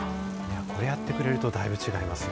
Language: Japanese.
こうやってくれるとだいぶ違いますね。